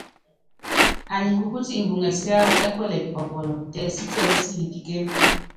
Anyi kukúti imbuŋɛ siáwɔ ɛ́ kuɛlɛ pipɔpɔlɔ, tɛɛ sítiɛlí silipíkéne.